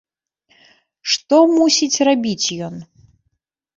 Што мусіць рабіць ён?